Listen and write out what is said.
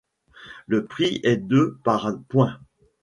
Le prix est de par point.